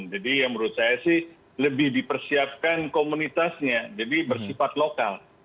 jadi yang menurut saya sih lebih dipersiapkan komunitasnya jadi bersifat lokal